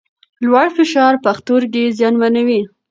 لوړ فشار پښتورګي زیانمنوي.